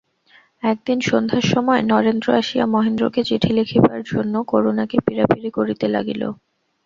একদিন সন্ধ্যার সময় নরেন্দ্র আসিয়া মহেন্দ্রকে চিঠি লিখিবার জন্য করুণাকে পীড়াপীড়ি করিতে লাগিল।